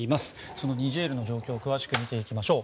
そのニジェールの状況を詳しく見ていきましょう。